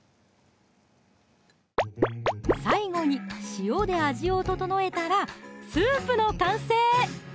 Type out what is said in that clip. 最後に塩で味を調えたらスープの完成！